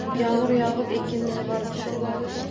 Yomg’ir yog’ib ekinni sug’oribdi